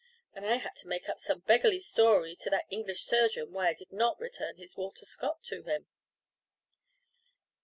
And I had to make up some beggarly story to that English surgeon why I did not return his Walter Scott to him."